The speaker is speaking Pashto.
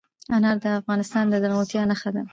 انار د افغانستان د زرغونتیا نښه ده.